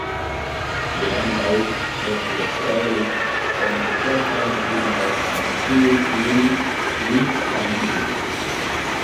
Li ankaŭ ĉefrolis en kelkaj filmoj, en ĉiuj ili li kantis.